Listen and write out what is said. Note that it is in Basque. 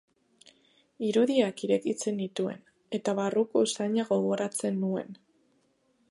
Irudiak irekitzen nituen, eta barruko usaina gogoratzen nuen.